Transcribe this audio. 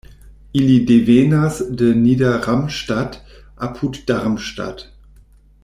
Ili devenas de Nieder-Ramstadt apud Darmstadt.